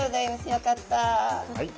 よかった。